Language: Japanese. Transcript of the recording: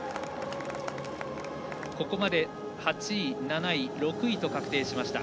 ここまで８位、７位、６位と確定しました。